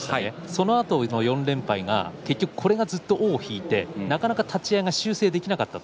そのあとの４連敗これがずっと尾を引いてなかなか立ち合いが修正できなかった。